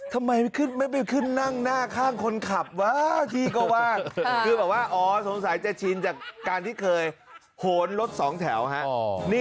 ทำไมไม่ขึ้นนั่งหน้าข้างคนขับตรงนั้น